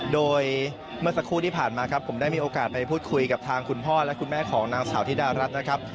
โดยเมื่อสักครู่ที่ผ่านมาครับผมได้มีโอกาสไปพูดคุยกับทางคุณพ่อและคุณแม่ของนางสาวธิดารัฐนะครับ